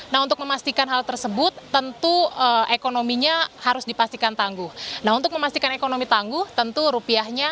nah untuk memastikan hal tersebut tentu ekonominya harus dipastikan tangguh nah untuk memastikan ekonomi tangguh tentu rupiahnya